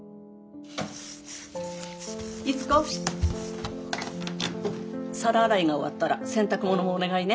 逸子皿洗いが終わったら洗濯物もお願いね。